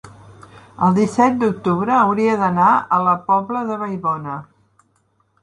El disset d'octubre hauria d'anar a la Pobla de Vallbona.